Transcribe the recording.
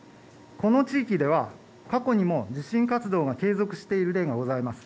この地域では過去にも地震活動が継続している例があります。